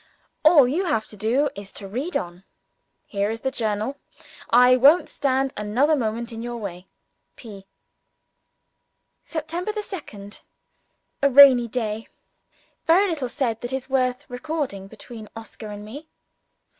All you have to do is to read on. Here is the journal. I won't stand another moment in your way. P.] September 2nd. A rainy day. Very little said that is worth recording between Oscar and me.